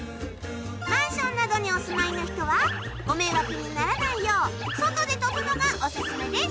マンションなどにお住まいの人はご迷惑にならないよう外で跳ぶのがお薦めです。